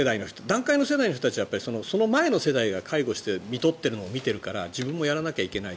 団塊の世代の人たちはその前の世代が介護してみとっているのを見ているから自分もやらなきゃいけない。